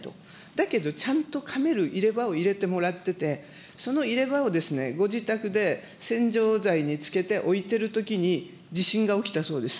だけど、ちゃんとかめる入れ歯を入れてもらっていて、その入れ歯をご自宅で、洗浄剤につけて置いてるときに、地震が起きたそうです。